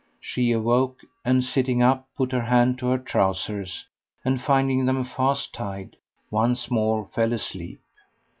She awoke and, sitting up, put her hand to her trousers and finding them fast tied, once more fell asleep.